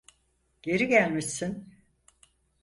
Geri gelmişsin.